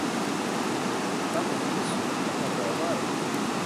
Pamet visu, kamēr vēl var.